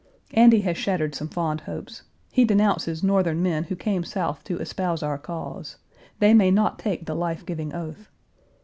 Andy has shattered some fond hopes. He denounces Northern men who came South to espouse our cause. They may not take the life giving oath.